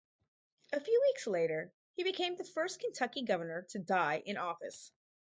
A few weeks later, he became the first Kentucky governor to die in office.